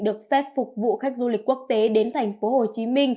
được phép phục vụ khách du lịch quốc tế đến tp hcm